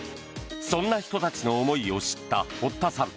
そんな人たちの思いを知った堀田さん。